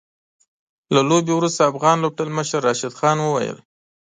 له لوبې وروسته افغان لوبډلمشر راشد خان وويل